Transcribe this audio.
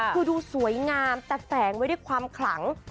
คือดูสวยงามแต่แฝงไว้ด้วยความขลัง